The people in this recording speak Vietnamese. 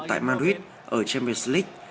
tại madrid ở champions league